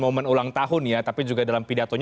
momen ulang tahun ya tapi juga dalam pidatonya